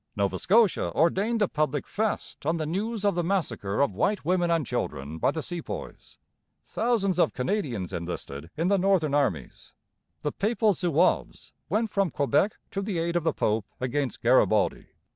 Nova Scotia ordained a public fast on the news of the massacre of white women and children by the Sepoys. Thousands of Canadians enlisted in the Northern armies. The Papal Zouaves went from Quebec to the aid of the Pope against Garibaldi.